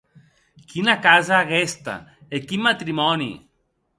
Quina casa aguesta, e quin matrimòni!